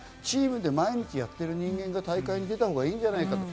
チームで毎日やってる人間が大会に出たほうがいいんじゃないか。